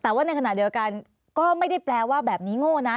แต่ว่าในขณะเดียวกันก็ไม่ได้แปลว่าแบบนี้โง่นะ